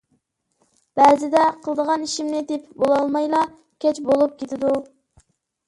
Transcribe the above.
بەزىدە قىلىدىغان ئىشىمنى تېپىپ بولالمايلا كەچ بولۇپ كېتىدۇ.